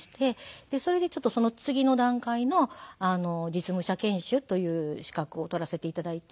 それでちょっとその次の段階の実務者研修という資格を取らせて頂いて。